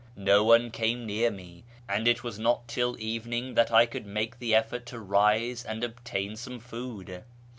No one came near nie, and it was not till eveninii that I could make the effort to rise and obtain some food.